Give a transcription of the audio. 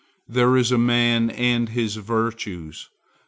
There is the man and his virtues.